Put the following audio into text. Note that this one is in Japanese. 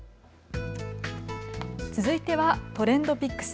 続いてはＴｒｅｎｄＰｉｃｋｓ。